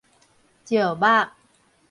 石墨